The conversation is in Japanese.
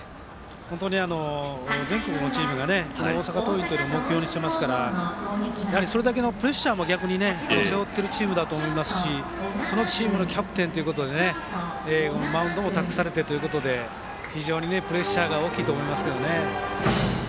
本当に、全国のチームが大阪桐蔭を目標にしていますからそれだけのプレッシャーも背負っているチームだと思いますしそのチームのキャプテンということでマウンドも託されてということで非常にプレッシャーが大きいと思います。